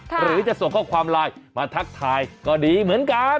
หรือจะส่งข้อความไลน์มาทักทายก็ดีเหมือนกัน